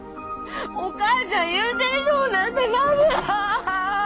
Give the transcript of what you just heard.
お母ちゃん言うてみとうなっただけや！